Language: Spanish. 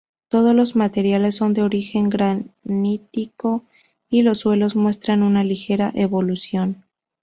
Todos los materiales son de origen granítico y los suelos muestran una ligera evolución.